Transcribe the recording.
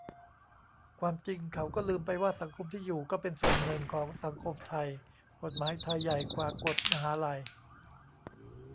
ความจริงเขาก็ลืมไปว่าสังคมที่อยู่ก็เป็นส่วนหนึ่งของสังคมไทย กฎหมายไทยใหญ่กว่ากฎมหาลัย